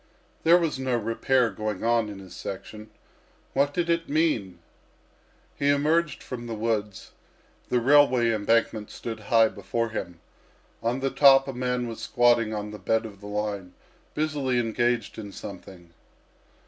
There was no repair going on in his section. What did it mean? He emerged from the woods, the railway embankment stood high before him; on the top a man was squatting on the bed of the line busily engaged in something.